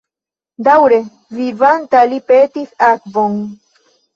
Daŭre vivanta, li petis akvon.